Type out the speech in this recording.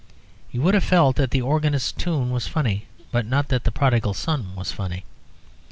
You would have felt that the organist's tune was funny, but not that the Prodigal Son was funny.